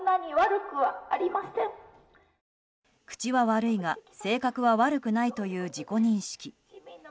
口は悪いが、性格は悪くないという自己認識。